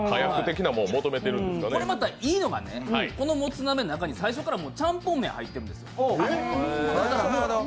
これまたいいのが、もつ鍋、最初からちゃんぽん麺が入ってるんです。